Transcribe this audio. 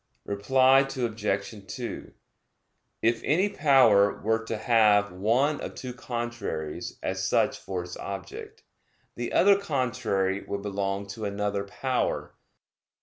Reply Obj. 2: If any power were to have one of two contraries as such for its object, the other contrary would belong to another power.